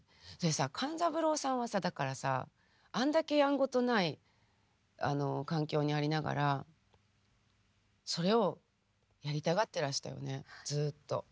勘三郎さんはさだからさあんだけやんごとないあの環境にありながらそれをやりたがっていらしたよねずっと。